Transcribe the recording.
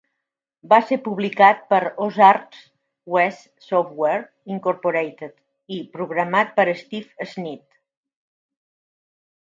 Va ser publicat per Ozarks West Software Incorporated i programat per Steve Sneed.